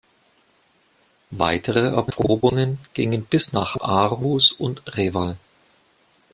Weitere Erprobungen gingen bis nach Aarhus und Reval.